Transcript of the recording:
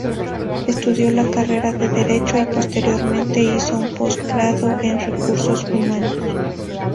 Estudió la carrera de Derecho y posteriormente hizo un post-grado en Recursos Humanos.